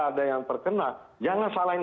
ada yang terkena jangan salahin